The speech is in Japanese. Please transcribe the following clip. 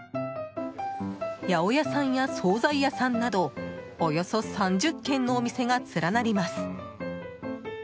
八百屋さんや総菜屋さんなどおよそ３０軒のお店が連なります。